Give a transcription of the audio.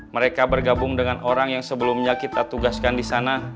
mereka bergabung dengan orang yang sebelumnya kita tugaskan di sana